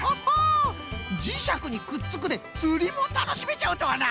「じしゃくにくっつく」でつりもたのしめちゃうとはな！